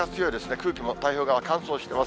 空気も太平洋側、乾燥しています。